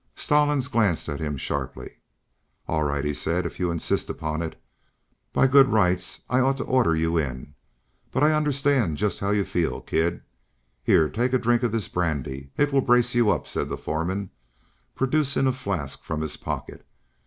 Stallings glanced at him sharply. "All right," he said. "If you insist upon it. By good rights I ought to order you in. But I understand just how you feel, kid. Here, take a drink of this brandy. It will brace you up," said the foreman, producing a flask from his pocket.